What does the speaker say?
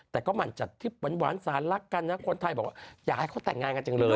แต่ก็หมั่นจัดทริปหวานสารรักกันนะคนไทยบอกว่าอยากให้เขาแต่งงานกันจังเลย